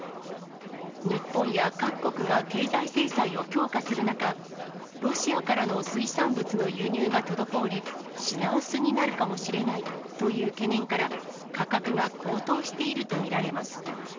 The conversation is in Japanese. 日本や各国が経済制裁を強化する中、ロシアからの水産物の輸入が滞り、品薄になるかもしれないという懸念から、価格が高騰していると見られます。